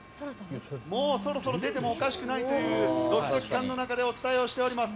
もうそろそろ出てもおかしくないという時間の中でお伝えしております。